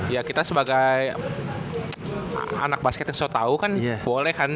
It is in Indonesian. ya kita sebagai anak basket yang selalu tahu kan boleh kan